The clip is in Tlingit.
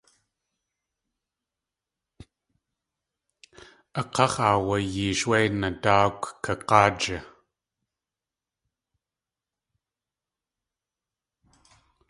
A káx̲ aawayeesh wé nadáakw kag̲áaji.